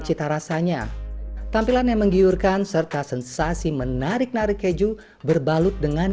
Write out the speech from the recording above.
cita rasanya tampilan yang menggiurkan serta sensasi menarik narik keju berbalut dengan